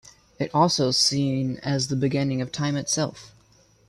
It is also seen as the beginning of Time itself.